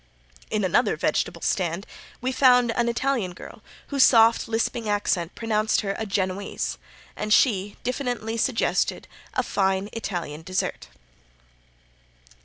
In another vegetable stand we found an Italian girl, whose soft lisping accent pronounced her a Genoese, and she, diffidently suggested "a fine Italian dessert."